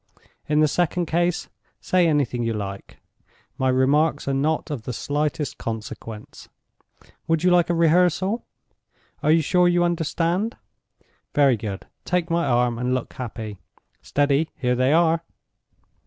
In the second case, say anything you like; my remarks are not of the slightest consequence. Would you like a rehearsal? Are you sure you understand? Very good—take my arm, and look happy. Steady! here they are."